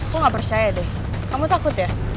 kok nggak percaya deh kamu takut ya